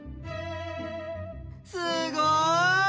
すごい！